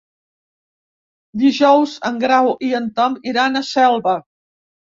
Dijous en Grau i en Tom iran a Selva.